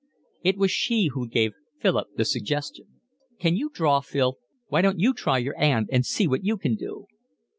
It was she who gave Philip the suggestion: "Can you draw, Phil? Why don't you try your 'and and see what you can do?"